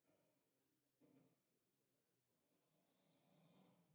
Destacó como paisajista y en temas marinos.